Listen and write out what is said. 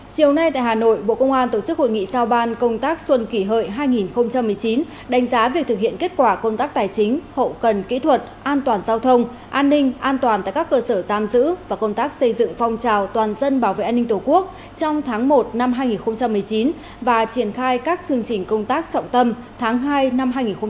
chiều nay tại hà nội bộ công an tổ chức hội nghị sao ban công tác xuân kỷ hợi hai nghìn một mươi chín đánh giá việc thực hiện kết quả công tác tài chính hậu cần kỹ thuật an toàn giao thông an ninh an toàn tại các cơ sở giam giữ và công tác xây dựng phong trào toàn dân bảo vệ an ninh tổ quốc trong tháng một năm hai nghìn một mươi chín và triển khai các chương trình công tác trọng tâm tháng hai năm hai nghìn một mươi chín